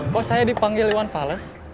kok saya dipanggil iwan fales